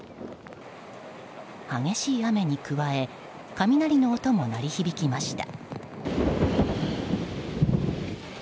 激しい雨に加え雷の音も鳴り響きました。